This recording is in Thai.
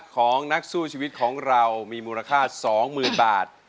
ของนักสู้ชีวิตของเรามีมูลค่า๒๐๐๐บาท